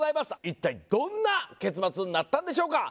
一体どんな結末になったんでしょうか